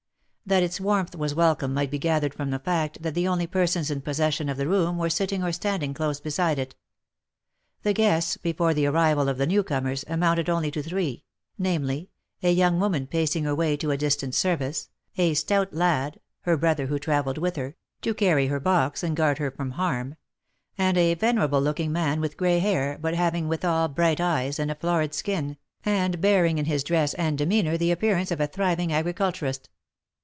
That its warmth •was welcome might be gathered from the fact, that the only persons in possession of the room were sitting or standing close beside it. The guests, before the arrival of the new comers, amounted only to three, namely, a young woman pacing her way to a distant service, a stout lad, her brother, who travelled with her, to carry her box and guard her from harm ; and a venerable looking man with gray hair, but having withal bright eyes, and a florid skin, and bearing in his dress and demeanour, the appearance of a thriving agriculturist.